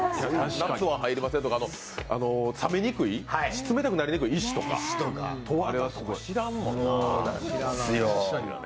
夏は入りませんとか、冷めにくい、冷たくなりにくい石とか、知らんもんな。